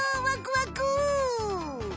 わくわく。